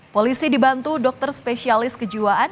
polisi dibantu dokter spesialis kejiwaan